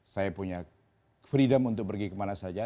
saya punya freedom untuk pergi kemana saja